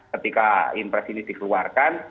ketika impres ini dikeluarkan